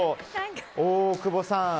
大久保さん